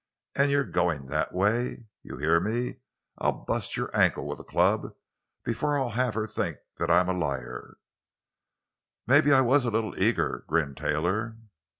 An' you're goin' that way—you hear me! I'll bust your ankle with a club before I'll have her think I'm a liar!" "Maybe I was a little eager," grinned Taylor.